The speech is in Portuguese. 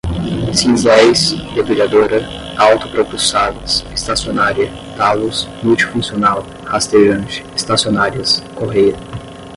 cinzéis, debulhadora, autopropulsadas, estacionária, talos, multifuncional, rastejante, estacionárias, correia